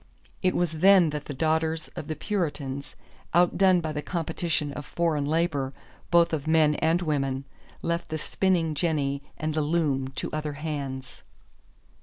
It was then that the daughters of the Puritans, outdone by the competition of foreign labor, both of men and women, left the spinning jenny and the loom to other hands.